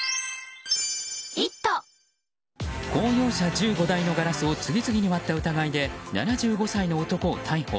公用車１５台のガラスを次々に割った疑いで７５歳の男を逮捕。